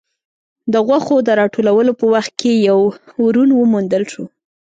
د غوښو د راټولولو په وخت کې يو ورون وموندل شو.